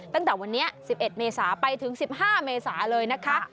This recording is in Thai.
ตั้งแต่วันนี้๑๑เมษาไปถึง๑๕เมษาเลยนะคะ